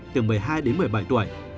từ một mươi hai đến một mươi bảy tuổi